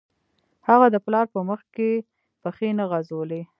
هغه د پلار په مخکې پښې نه غځولې